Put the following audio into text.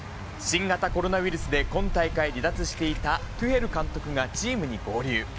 新型コロナウイルスで今大会離脱していたトゥヘル監督がチームに合流。